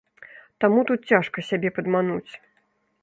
Таму тут цяжка сябе падмануць.